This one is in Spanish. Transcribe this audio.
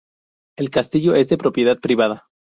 El castillo es de propiedad privada.